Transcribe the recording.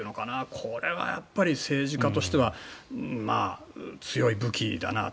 これはやっぱり政治家としては強い武器だなと。